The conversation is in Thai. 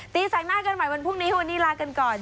แสกหน้ากันใหม่วันพรุ่งนี้วันนี้ลากันก่อน